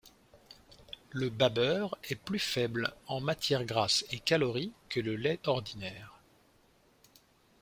Le babeurre est plus faible en matières grasses et calories que le lait ordinaire.